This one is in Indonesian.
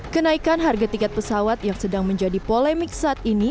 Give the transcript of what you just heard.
kenaikan harga tiket pesawat yang sedang menjadi polemik saat ini